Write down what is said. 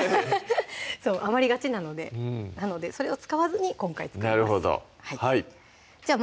そう余りがちなのでなのでそれを使わずに今回作りますなるほどじゃあ